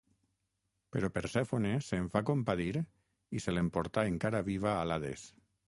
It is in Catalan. Però Persèfone se'n va compadir i se l'emportà encara viva a l'Hades.